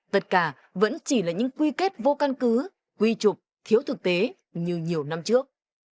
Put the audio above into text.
tất cả vẫn chỉ là những quy kết vô căn cứ quy trục thiếu thực tế như nhiều năm trước